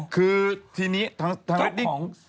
คือทีนี้ทางเรดดิ้ง